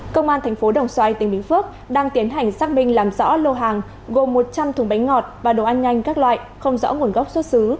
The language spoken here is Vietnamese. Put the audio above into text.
công an thành phố đồng xoài tỉnh bình phước đang tiến hành xác minh làm rõ lô hàng gồm một trăm linh thùng bánh ngọt và đồ ăn nhanh các loại không rõ nguồn gốc xuất xứ